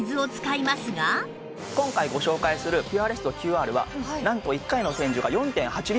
今回ご紹介するピュアレストＱＲはなんと１回の洗浄が４．８リットル。